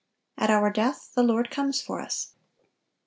At our death the Lord comes for us.